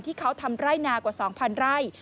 ที่เขาทำไร่นากว่า๒๐๐ไร่